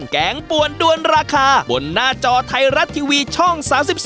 แกงปวนด้วนราคาบนหน้าจอไทยรัฐทีวีช่อง๓๒